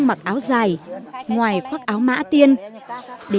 đất dấu thiêng